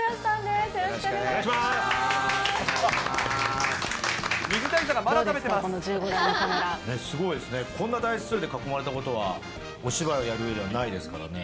すごいですね、こんな台数に囲まれたことは、お芝居やるうえでないですからね。